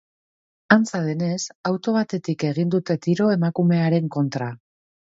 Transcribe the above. Antza denez, auto batetik egin egin dute tiro emakumearen kontra.